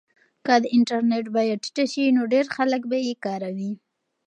که د انټرنیټ بیه ټیټه شي نو ډېر خلک به یې کاروي.